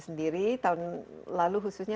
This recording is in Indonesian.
sendiri tahun lalu khususnya